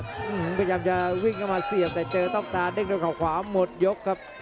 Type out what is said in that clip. พยายามจะวิ่งเข้ามาเสียบแต่เจอต้องตาเด้งด้วยเขาขวาหมดยกครับ